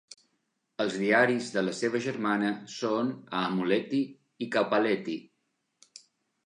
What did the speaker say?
Els diaris de la seva germana són "Aamulehti" i "Kauppalehti".